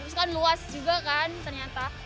terus kan luas juga kan ternyata